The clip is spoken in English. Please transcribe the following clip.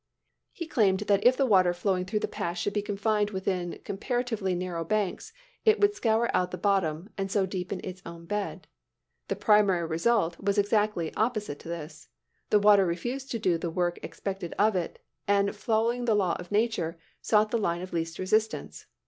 He claimed that if the water flowing through the pass should be confined within comparatively narrow banks, it would scour out the bottom, and so deepen its own bed. The primary result was exactly opposite to this. The water refused to do the work expected of it, and following the law of nature, sought the line of least resistance.